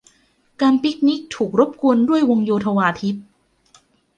การปิคนิคถูกรบกวนด้วยวงโยธวาทิตย์